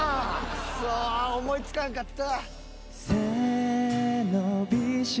くそ思いつかんかった。